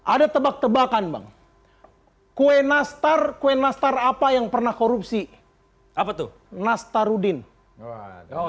ada tebak tebakan bang kue nastar kue nastar apa yang pernah korupsi apa tuh nastarudin oh